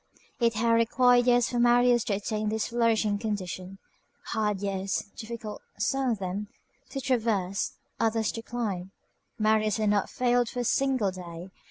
It had required years for Marius to attain to this flourishing condition. Hard years; difficult, some of them, to traverse, others to climb. Marius had not failed for a single day.